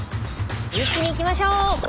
一気にいきましょう！